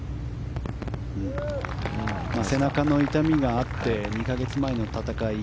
背中の痛みがあって２か月前の戦い